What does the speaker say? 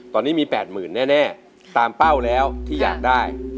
ตอนนี้มี๘๐๐๐แน่ตามเป้าแล้วที่อยากได้